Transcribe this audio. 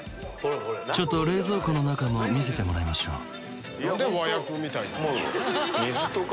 ちょっと冷蔵庫の中も見せてもらいましょうもう水とか。